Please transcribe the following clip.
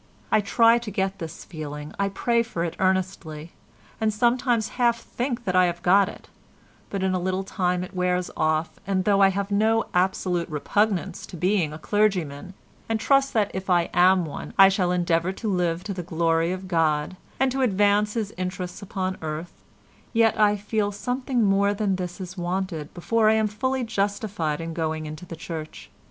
I try to get this feeling, I pray for it earnestly, and sometimes half think that I have got it, but in a little time it wears off, and though I have no absolute repugnance to being a clergyman and trust that if I am one I shall endeavour to live to the Glory of God and to advance His interests upon earth, yet I feel that something more than this is wanted before I am fully justified in going into the Church.